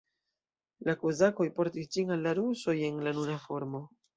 La kozakoj portis ĝin al la rusoj en la nuna formo.